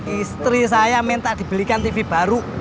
istri saya minta dibelikan tv baru